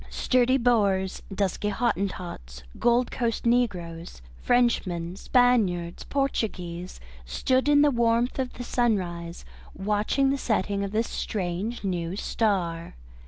Sturdy Boers, dusky Hottentots, Gold Coast negroes, Frenchmen, Spaniards, Portuguese, stood in the warmth of the sunrise watching the setting of this strange new star.